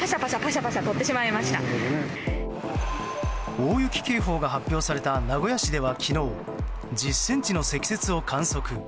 大雪警報が発表された名古屋市では昨日１０ｃｍの積雪を観測。